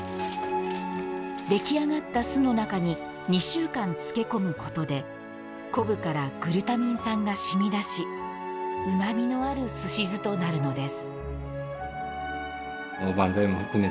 出来上がった酢の中に２週間漬け込むことで昆布からグルタミン酸が染み出しうまみのあるすし酢となるのです。